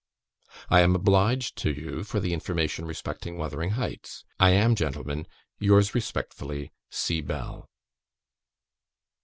"I am obliged to you for the information respecting "Wuthering Heights". I am, Gentlemen, yours respectfully, "C. BELL."